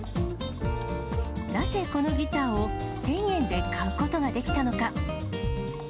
なぜ、このギターを１０００円で買うことができたのか。